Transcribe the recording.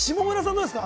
どうですか？